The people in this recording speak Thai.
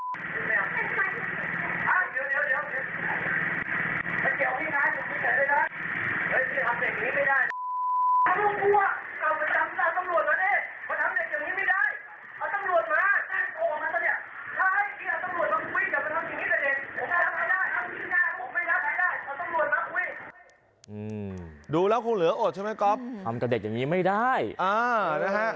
ดูแล้วคงเหลืออดใช่ไหมก๊อฟทำกับเด็กอย่างนี้ไม่ได้นะฮะ